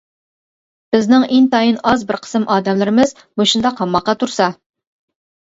بىزنىڭ ئىنتايىن ئاز بىر قىسىم ئادەملىرىمىز مۇشۇنداق ھاماقەت تۇرسا.